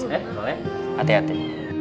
eh boleh hati hati